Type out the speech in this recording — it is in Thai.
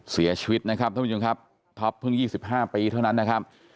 เสียชีวิตนะครับท่านผู้ชมครับท็อปเพิ่ง๒๕ปีเท่านั้นนะครับ